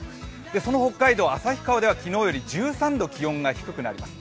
その北海道旭川では昨日より１３度気温が低くなります。